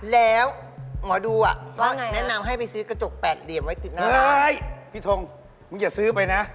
แล้วเหมาะดูอะแนะนำให้ไปซื้อกระจก๘เดี่ยมไว้พี่ทงมึงอย่าซื้อไปนะ